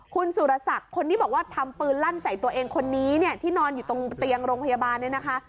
คุณสุรศักดิ์คนที่บอกว่าทำปืนลั่นใส่ตัวเองคนนี้เนี่ยที่นอนอยู่ตรงเตียงโรงพยาบาลเนี่ยนะคะ